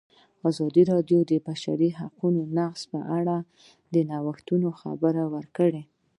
ازادي راډیو د د بشري حقونو نقض په اړه د نوښتونو خبر ورکړی.